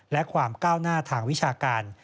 และความก้าวหน้าทางวิชาการ